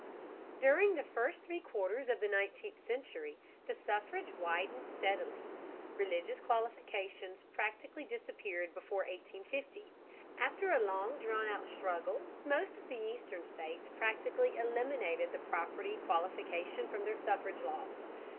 During the first three quarters of the nineteenth century, the suffrage widened steadily. Religious qualifications practically disappeared before 1850. After a long drawn out struggle most of the eastern states practically eliminated the property qualification from their suffrage laws.